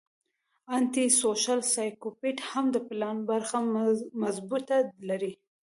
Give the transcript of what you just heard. انټي سوشل سايکوپېت هم د پلان برخه مضبوطه لري